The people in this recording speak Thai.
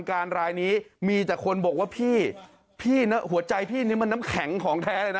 การรายนี้มีแต่คนบอกว่าพี่พี่นะหัวใจพี่นี่มันน้ำแข็งของแท้เลยนะ